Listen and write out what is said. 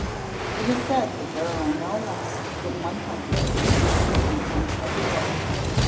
It is said that there are no less than one hundred and fifty species of the oak.